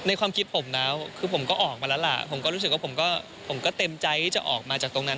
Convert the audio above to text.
ความคิดผมนะคือผมก็ออกมาแล้วล่ะผมก็รู้สึกว่าผมก็เต็มใจที่จะออกมาจากตรงนั้น